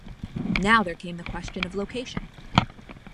Now there came the question of location.